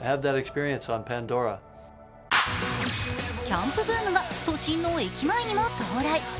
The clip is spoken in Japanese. キャンプブームが都心の駅前にも到来。